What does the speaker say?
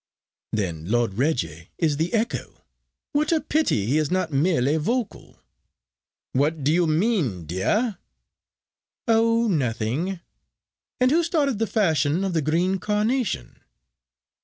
"Then Lord Reggie is the echo. What a pity he is not merely vocal." "What do you mean, dear?" "Oh! nothing. And who started the fashion of the green carnation?"